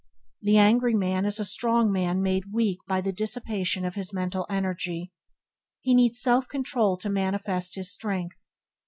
The angry man is a strong man made weak by the dissipation of his mental energy. He needs self control to manifest his strength.